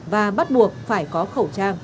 và bắt buộc phải có khẩu trang